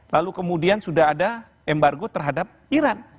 lalu kemudian sudah ada embargo terhadap iran